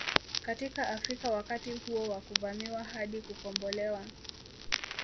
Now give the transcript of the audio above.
Katika Afrika wakati huo wa kuvamiwa hadi kukombolewa